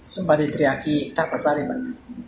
sempat ditriaki tak berpariman